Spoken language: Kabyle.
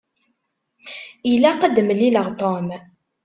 Ilaq ad d-mmlileɣ Tom.